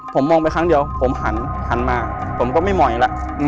ผมมองไปครั้งเดียวผมหันมาผมก็ไม่มองอีกแล้ว